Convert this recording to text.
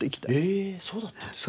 へえそうだったんですね。